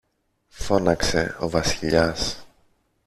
φώναξε ο Βασιλιάς.